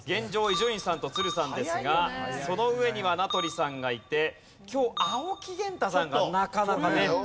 伊集院さんと都留さんですがその上には名取さんがいて今日青木源太さんがなかなかね。